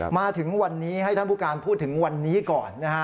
มาถึงวันนี้ให้ท่านผู้การพูดถึงวันนี้ก่อนนะฮะ